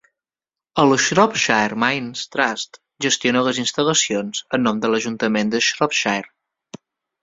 El Shropshire Mines Trust gestiona les instal·lacions en nom de l"ajuntament de Shropshire.